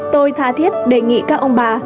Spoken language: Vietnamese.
tôi thá thiết đề nghị các ông bà